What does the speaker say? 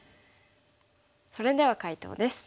それでは解答です。